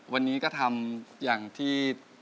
วันนี้ก็ทำอย่างที่